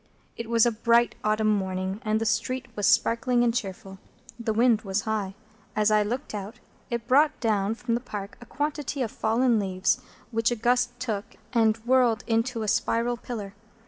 It was a bright autumn morning, and the street was sparkling and cheerful. The wind was high. As I looked out, it brought down from the Park a quantity of fallen leaves, which a gust took, and whirled into a spiral pillar.